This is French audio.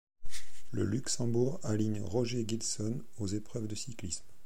Le Luxembourg aligne Roger Gilson aux épreuves de cyclisme.